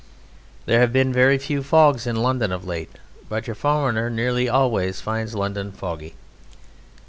There have been very few fogs in London of late, but your foreigner nearly always finds London foggy.